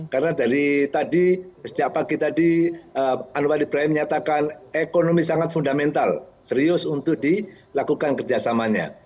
karena dari tadi sejak pagi tadi anwar ibrahim menyatakan ekonomi sangat fundamental serius untuk dilakukan kerjasamanya